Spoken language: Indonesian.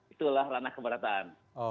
itulah ranah keberatan